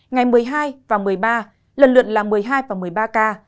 ngày một mươi hai và một mươi ba lần lượt là một mươi hai và một mươi ba ca